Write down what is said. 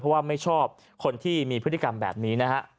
เพราะว่าไม่ชอบคนที่มีพฤติกรรมแบบนี้นะฮะ